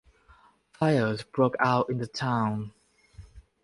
Fires broke out in the town.